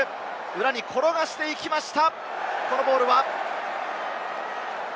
裏に転がしていきました。